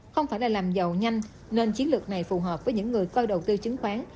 không phải là làm giàu nhanh nên chiến lược này phù hợp với những người coi đầu tư chứng khoán